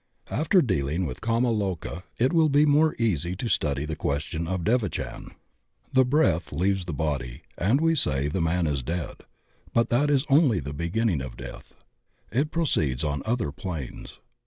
After dealing with kama loka it will be more easy to study the question of devachan. The breath leaves the body and we say the man is dead, but that is only the beginning of death; it pro ceeds on other planes.